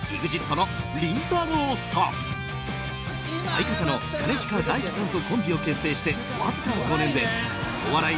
相方の兼近大樹さんとコンビを結成してわずか５年でお笑い